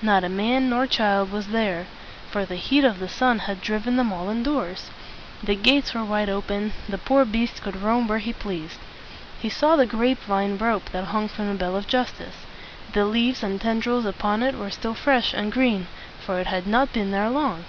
Not a man nor child was there, for the heat of the sun had driven them all indoors. The gates were wide open; the poor beast could roam where he pleased. He saw the grape vine rope that hung from the bell of justice. The leaves and tendrils upon it were still fresh and green, for it had not been there long.